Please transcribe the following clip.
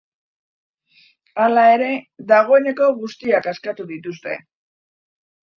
Hala ere, dagoeneko guztiak askatu dituzte.